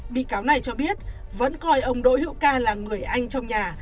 bị cáo này cho biết vẫn coi ông đội hiệu ca là người anh trong nhà